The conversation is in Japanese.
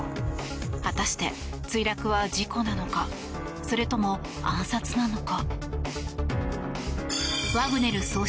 果たして、墜落は事故なのかそれとも暗殺なのか。